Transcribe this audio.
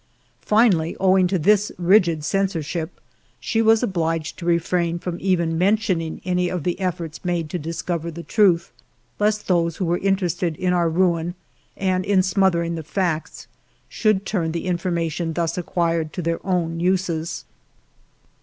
Finally, owing to this rigid censor ship, she was obliged to refrain from even men tioning any of the efforts made to discover the truth, lest those who were interested in our ruin and in smothering the facts might turn the infor mation thus acquired to their own uses.